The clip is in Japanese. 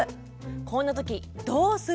こんな時どうする？